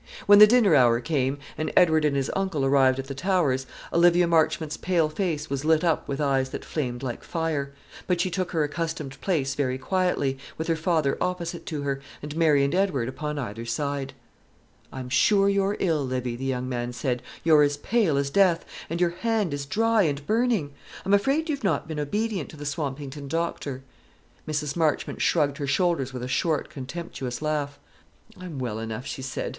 When the dinner hour came, and Edward and his uncle arrived at the Towers, Olivia Marchmont's pale face was lit up with eyes that flamed like fire; but she took her accustomed place very quietly, with her father opposite to her, and Mary and Edward upon either side. "I'm sure you're ill, Livy," the young man said; "you're as pale as death, and your hand is dry and burning. I'm afraid you've not been obedient to the Swampington doctor." Mrs. Marchmont shrugged her shoulders with a short contemptuous laugh. "I am well enough," she said.